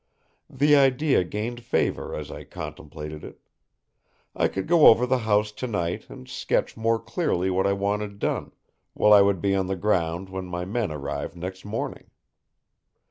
The idea gained favor as I contemplated it. I could go over the house tonight and sketch more clearly what I wanted done, while I would be on the ground when my men arrived next morning.